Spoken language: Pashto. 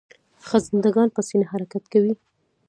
خزنده ګان په سینه حرکت کوي